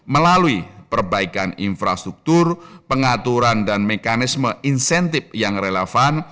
melalui perbaikan infrastruktur pengaturan dan mekanisme insentif yang relevan